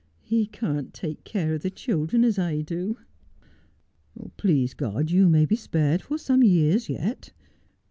He can't take care of the children as I do.' 'Please God you may be spared for some years yet.